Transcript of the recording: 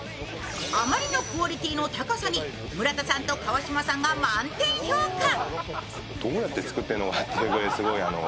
あまりのクオリティーの高さに村田さんと川島さんが満点評価。